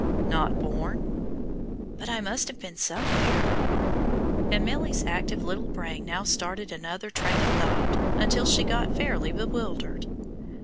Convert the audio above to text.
"Not born." "But I must have been somewhere," and Milly's active little brain now started another train of thought, until she got fairly bewildered.